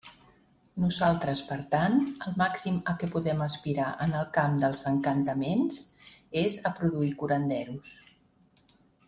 Nosaltres, per tant, el màxim a què podem aspirar en el camp dels encantaments és a produir curanderos.